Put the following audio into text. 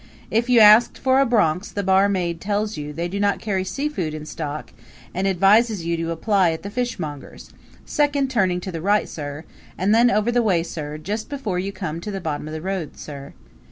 If you ask for a Bronx the barmaid tells you they do not carry seafood in stock and advises you to apply at the fishmongers' second turning to the right, sir, and then over the way, sir just before you come to the bottom of the road, sir.